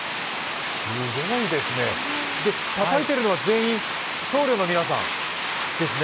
たたいているのは全員僧侶の皆さんですね？